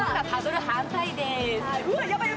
今度はパドル反対です。